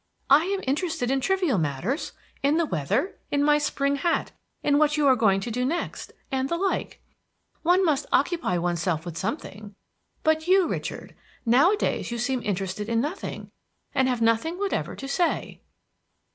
I am interested in trivial matters, in the weather, in my spring hat, in what you are going to do next, and the like. One must occupy one's self with something. But you, Richard, nowadays you seem interested in nothing, and have nothing whatever to say."